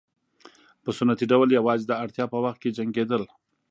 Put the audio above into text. په سنتي ډول یوازې د اړتیا په وخت کې جنګېدل.